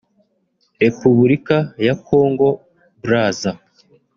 Repubulika ya Kongo Brazza